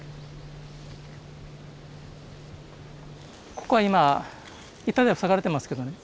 ここは今板で塞がれてますけどね。